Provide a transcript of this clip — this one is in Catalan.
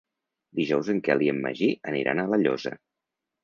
Dijous en Quel i en Magí aniran a La Llosa.